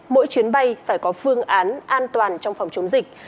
mỗi chuyến bay phải có phương án an toàn trong phòng chống dịch